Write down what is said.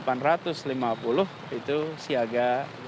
kalau sampai di atas delapan ratus lima puluh itu siaga dua